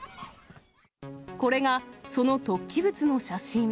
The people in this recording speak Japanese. これが、その突起物の写真。